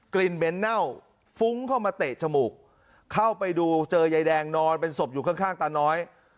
เหม็นเน่าฟุ้งเข้ามาเตะจมูกเข้าไปดูเจอยายแดงนอนเป็นศพอยู่ข้างตาน้อย